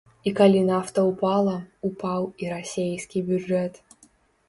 І калі нафта ўпала, упаў і расейскі бюджэт.